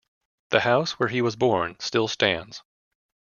The house where he was born still stands.